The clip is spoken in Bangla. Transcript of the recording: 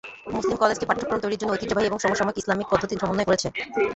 মুসলিম কলেজটি পাঠক্রম তৈরির জন্য ঐতিহ্যবাহী এবং সমসাময়িক ইসলামিক পদ্ধতির সমন্বয় করেছে।